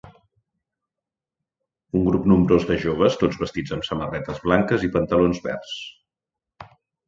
un grup nombrós de joves tots vestits amb samarretes blanques i pantalons verds.